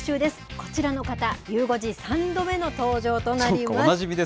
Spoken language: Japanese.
こちらの方、ゆう５時、３度目の登場となります。